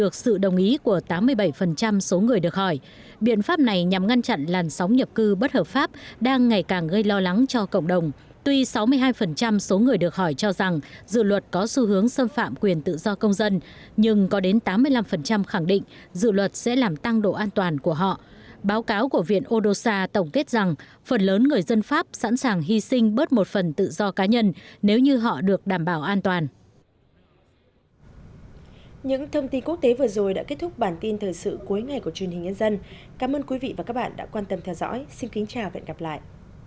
cảm ơn quý vị và các bạn đã quan tâm theo dõi xin kính chào và hẹn gặp lại